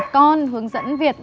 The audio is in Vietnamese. con hướng dẫn việt